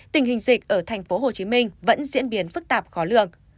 tình hình dịch ở tp hcm vẫn diễn biến phức tạp khó lường